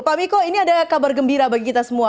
pak miko ini ada kabar gembira bagi kita semua